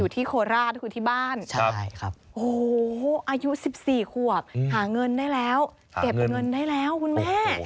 ที่โคราชคือที่บ้านโอ้โหอายุ๑๔ขวบหาเงินได้แล้วเก็บเงินได้แล้วคุณแม่